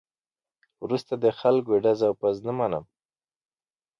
وروسته د خلکو ټز او پز نه منم.